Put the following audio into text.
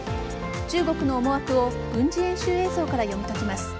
中国の思惑を軍事演習映像から読み解きます。